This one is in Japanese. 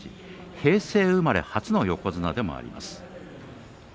平成生まれ初の横綱でもあります。